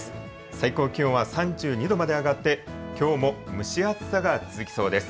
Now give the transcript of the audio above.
最高気温は３２度まで上がってきょうも蒸し暑さが続きそうです。